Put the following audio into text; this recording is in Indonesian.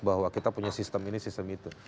bahwa kita punya sistem ini sistem itu